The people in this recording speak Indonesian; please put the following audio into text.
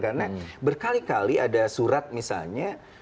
karena berkali kali ada surat misalnya